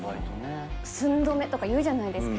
寸止めとかいうじゃないですか。